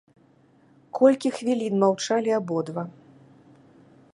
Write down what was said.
Колькі хвілін маўчалі абодва.